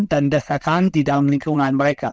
dan desakan di dalam lingkungan mereka